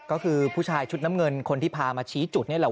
ก็คือผู้ชายชุดน้ำเงินคนที่พามาชี้จุดนี่แหละ